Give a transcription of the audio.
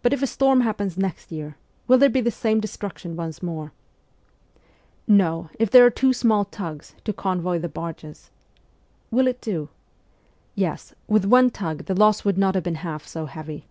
But if a storm happens next year, will there be the same destruction once more ?'' No, if there are two small tugs to convoy the barges.' 'Will it do?' 'Yes, with one tug the loss would not have been half so heavy.'